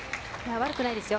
悪くないですよ。